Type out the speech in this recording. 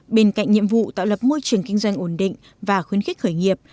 bên cạnh nhiệm vụ tạo lập môi trường kinh doanh ổn định và khuyến khích khởi nghiệp